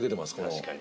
確かに。